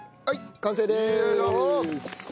はい完成です。